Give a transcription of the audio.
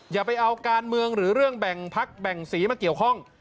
อย่าไปเอาการเมืองหรือเรื่องแบ่งพักแบ่งสีมาเกี่ยวข้อง